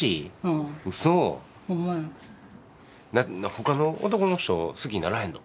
ほかの男の人好きにならへんの？